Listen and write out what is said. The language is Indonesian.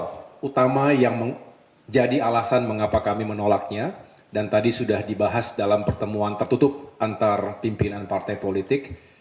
hal utama yang menjadi alasan mengapa kami menolaknya dan tadi sudah dibahas dalam pertemuan tertutup antar pimpinan partai politik